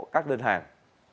các đơn hàng